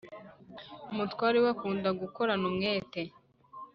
umutware we akunda gukorana umwete.